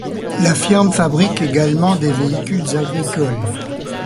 La firme fabrique également des véhicules agricoles.